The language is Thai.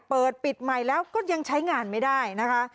เปิดปิดใหม่แล้วก็ยังใช้งานไม่ได้นะคะ